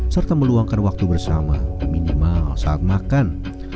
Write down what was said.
serta meluangkan waktu bersama minimal saat makan